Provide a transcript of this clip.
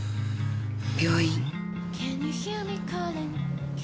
病院。